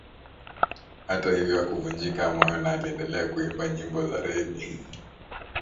Hata hivyo hakuvunjika moyo na aliendelea kuimba nyimbo za rege